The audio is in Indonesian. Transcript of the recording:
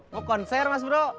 mau konser mas bro